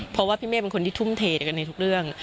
เพราะว่าพี่เมฆเป็นคนที่ทุ่มเทกันในทุกเรื่อง